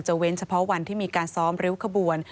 เว้นเฉพาะวันที่มีการซ้อมริ้วขบวน